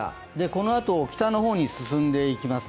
このあと北の方に進んでいきます。